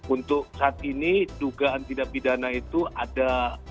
untuk saat ini dugaan tindak bidana itu ada